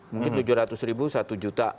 mungkin tujuh ratus ribu satu juta